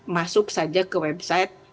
masuk saja ke website